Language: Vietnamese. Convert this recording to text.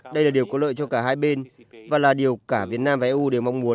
đây là điều có lợi cho cả hai bên và là điều cả việt nam và eu đều mong muốn